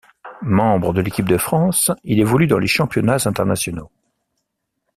Membre de l'équipe de France, il évolue dans les championnats internationaux.